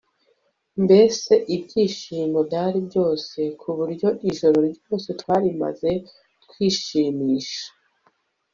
mbese ibyishimo byari byose kuburyo ijoro ryose twarimaze twishimisha